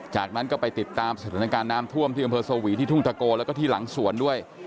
จากนั้นก็ไปติดตามสถานการณ์น้ำท่วมที่อำเภอสวีที่ทุ่งตะโกแล้วก็ที่หลังสวนด้วย